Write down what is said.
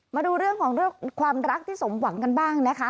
มาดูเรื่องของเรื่องความรักที่สมหวังกันบ้างนะคะ